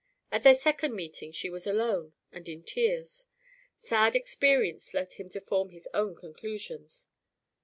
At their second meeting, she was alone, and in tears. Sad experience led him to form his own conclusions.